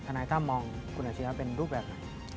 ถ้านายถ้ามองคุณอัจฉริยาเป็นรูปแบบอะไร